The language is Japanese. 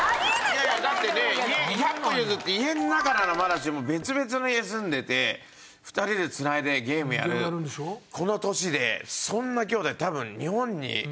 いやいやだってね１００歩譲って家の中ならまだしも別々の家住んでて２人で繋いでゲームやるこの年でそんな姉弟多分日本に。